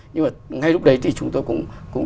nhưng mà ngay lúc đấy thì chúng tôi cũng